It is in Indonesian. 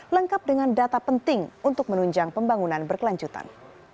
lengkap dengan data penting untuk menunjang pembangunan berkelanjutan